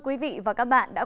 có đều hợp chất